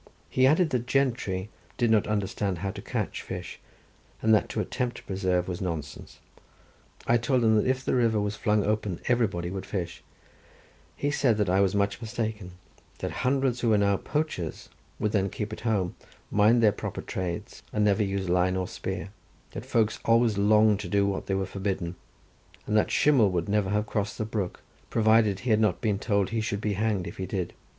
He added that gentry did not understand how to catch fish, and that to attempt to preserve was nonsense. I told him that if the river was flung open everybody would fish; he said that I was much mistaken, that hundreds who were now poachers would then keep at home, mind their proper trades, and never use line or spear; that folks always longed to do what they were forbidden, and that Shimei would never have crossed the brook provided he had not been told he should be hanged if he did.